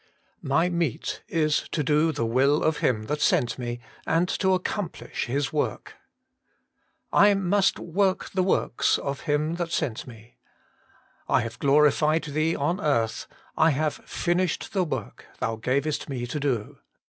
* My meat is to do the will of Him that sent Me, and to accomplish His zvork. I must n ork the works of Him that sent Me. I have glorified Thee on the earth; I have finished the work Thou gavest Me to do.